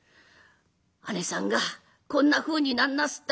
あねさんがこんなふうになんなすった。